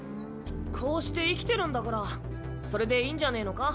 こうして生きてるんだからそれでいいんじゃねぇのか。